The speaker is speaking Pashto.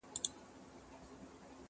اوس معلومه سوه چي دا سړی پر حق دی،